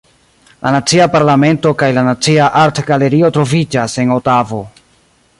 La Nacia Parlamento kaj la Nacia Artgalerio troviĝas en Otavo.